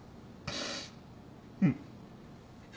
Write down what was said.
うん。